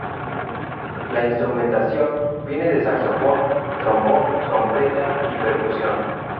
La instrumentación viene de saxofón, trombón, trompeta y percusión.